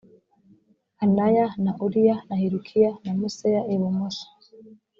anaya na uriya na hilukiya na museya ibumoso